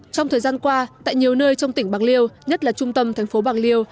trong thời gian qua tại nhiều nơi trong tỉnh bạc liêu nhất là trung tâm thành phố bạc liêu